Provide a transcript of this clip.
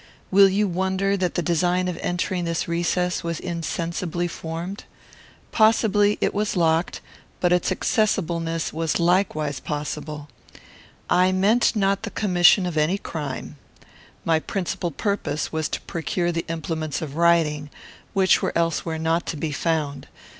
Will you wonder that the design of entering this recess was insensibly formed? Possibly it was locked, but its accessibleness was likewise possible. I meant not the commission of any crime. My principal purpose was to procure the implements of writing, which were elsewhere not to be found.